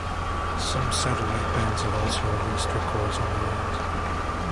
Some satellite bands have also released records on their own.